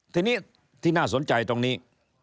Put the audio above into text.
ทีนี้ที่น่าสนใจตรงนี้